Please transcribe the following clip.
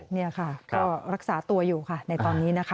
นี่ค่ะก็รักษาตัวอยู่ค่ะในตอนนี้นะคะ